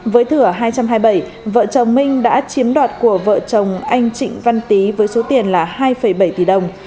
với thửa hai trăm hai mươi bảy vợ chồng minh đã chiếm đoạt của vợ chồng anh trịnh văn tý với số tiền là hai bảy tỷ đồng